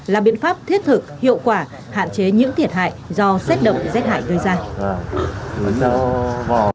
là biện pháp thiết thực hiệu quả hạn chế những thiệt hại do xét đậm thiệt hại gây ra